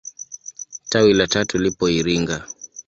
Tawi la tatu lipo Iringa.